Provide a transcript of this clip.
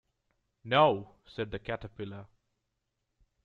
‘No,’ said the Caterpillar.